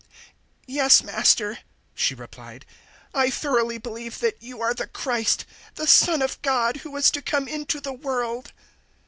011:027 "Yes, Master," she replied; "I thoroughly believe that you are the Christ, the Son of God, who was to come into the world."